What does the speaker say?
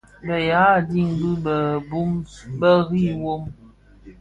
Bèè yaà dig bì di bum bê rì wôô.